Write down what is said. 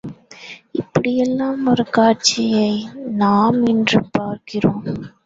இப்படியெல்லாம் ஒரு காட்சியை நாம் இன்று பார்க்கிறோம்.